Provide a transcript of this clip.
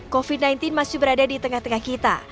covid sembilan belas masih berada di tengah tengah kita